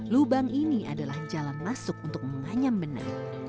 lubang ini adalah jalan masuk untuk menganyam benang